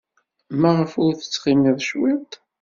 Maɣef ur tettɣimiḍ cwiṭ?